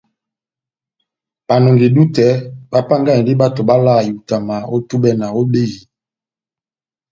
Banɔngi-dútɛ bapángahindi bato bavalahani ihutama ó túbɛ ná ó behiyi.